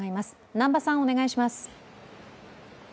南波さん、お願いします。